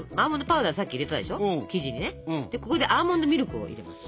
ここでアーモンドミルクを入れます。